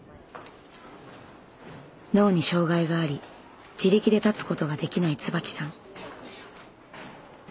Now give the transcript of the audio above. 脳に障害があり自力で立つことができない椿さん。